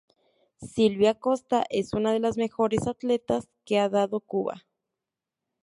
Silvia Costa es una de las mejores atletas que ha dado Cuba.